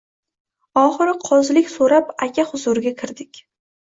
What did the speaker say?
Oxiri qozilik so’rab aka huzuriga kirdik.